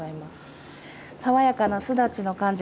爽やかなすだちの感じ